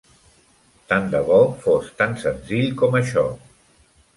Tant de bo fos tan senzill com això.